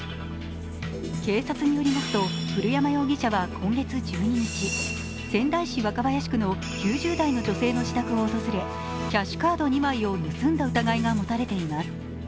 警察によりますと、古山容疑者は今月１２日、仙台市若林区の９０代の女性の自宅を訪れキャッシュカード２枚を盗んだ疑いが持たれています。